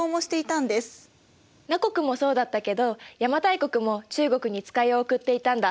奴国もそうだったけど邪馬台国も中国に使いを送っていたんだ。